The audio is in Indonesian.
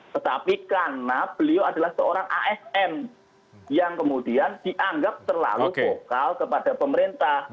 tetapi karena beliau adalah seorang asn yang kemudian dianggap terlalu vokal kepada pemerintah